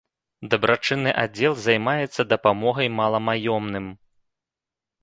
Дабрачынны аддзел займаецца дапамогай маламаёмным.